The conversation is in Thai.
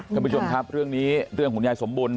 ท่านผู้ชมครับเรื่องนี้เรื่องของยายสมบูรณ